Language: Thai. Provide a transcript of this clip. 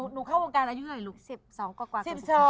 หนูเข้าวงการอายุไหนลูก๑๒กว่า